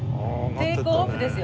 テイクオフですよ。